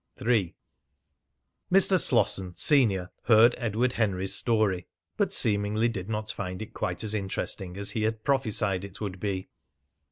III. Mr. Slosson, senior, heard Edward Henry's story, but seemingly did not find it quite as interesting as he had prophesied it would be.